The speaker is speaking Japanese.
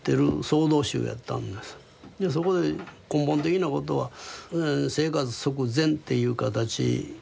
でそこで根本的なことは生活即禅っていう形。